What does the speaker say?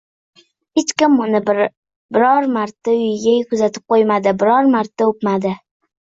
Hech kim uni biror marta uyiga kuzatib qoʻymadi, biror marta oʻpmadi